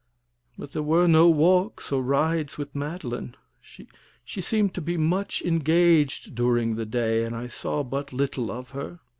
But there were no walks or rides with Madeline. She seemed to be much engaged during the day, and I saw but little of her.